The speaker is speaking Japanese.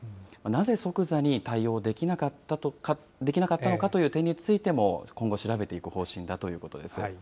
なぜ即座に対応できなかったのかという点についても今後、調べていく方針だということです。